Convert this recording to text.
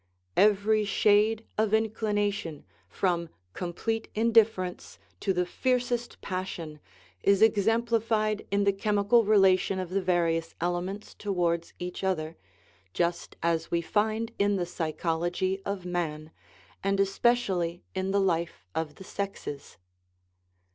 Every shade of inclination, from complete indifference to the fiercest passion, is exem plified in the chemical relation of the various elements towards each other, just as we find in the psychology of man, and especially in the life of the sexes.